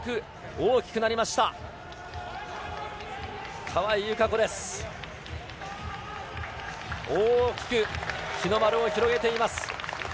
大きく日の丸を広げています。